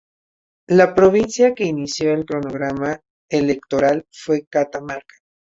La provincia que inició el cronograma electoral fue Catamarca.